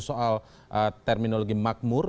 soal terminologi makmur